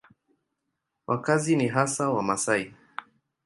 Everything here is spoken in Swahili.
Wakazi ni hasa Wamasai.